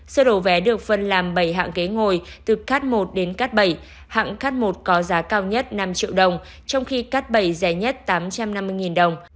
sơ đồ vé được phân làm bảy hạng ghế ngồi từ cát một đến cát bảy hạng k một có giá cao nhất năm triệu đồng trong khi cát bảy rẻ nhất tám trăm năm mươi đồng